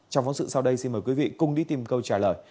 trong phóng sự sau đây xin mời quý vị cùng đi tìm câu trả lời